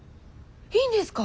いいんですか？